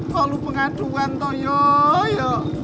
kok lo pengaduan toh yoyo